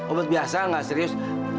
obat biasa enggak serius